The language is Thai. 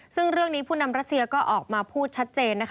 ซึ่งเรื่องนี้ผู้นำรัสเซียก็ออกมาพูดชัดเจนนะคะ